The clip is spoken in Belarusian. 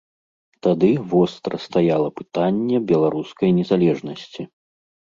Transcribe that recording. Тады востра стаяла пытанне беларускай незалежнасці.